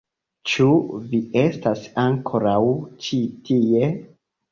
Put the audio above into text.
Ĉu vi estas ankoraŭ ĉi tie?